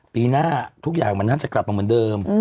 ปีหน้าทุกอย่างมันน่าจะกลับมาเหมือนเดิม